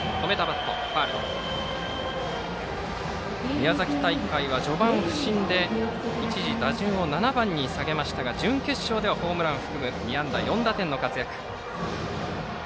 宮崎大会は序盤、不振で一時打順を７番に下げましたが準決勝ではホームランを含む２安打４打点の活躍。